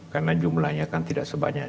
karena jumlahnya kan tidak sebanyak